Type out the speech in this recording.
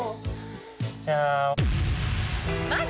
じゃあ。